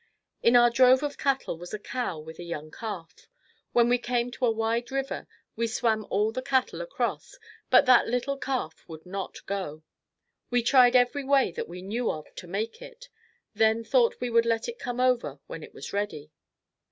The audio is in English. In our drove of cattle was a cow with a young calf. When we came to a wide river, we swam all the cattle across, but that little calf would not go. We tried every way that we knew of to make it, then thought we would let it come over when it was ready.